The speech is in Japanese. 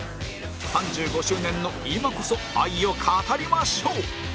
３５周年の今こそ愛を語りましょう！